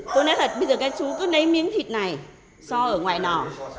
tôi nói là bây giờ các chú cứ lấy miếng thịt này so ở ngoài nò